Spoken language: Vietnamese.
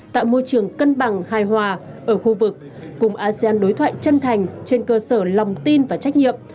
tạo môi trường cân bằng hài hòa ở khu vực cùng asean đối thoại chân thành trên cơ sở lòng tin và trách nhiệm